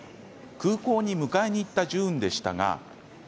空港に迎えに行ったジューンでしたが。